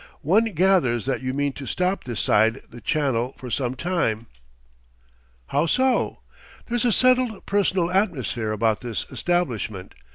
"One gathers that you mean to stop this side the Channel for some time." "How so?" "There's a settled, personal atmosphere about this establishment.